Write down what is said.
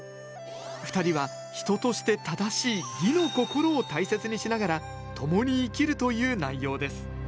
２人は人として正しい義の心を大切にしながら共に生きるという内容です